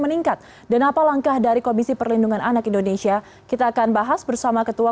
meningkat dan apa langkah dari komisi perlindungan anak indonesia kita akan bahas bersama ketua